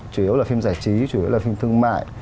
chủ yếu là phim giải trí chủ yếu là phim thương mại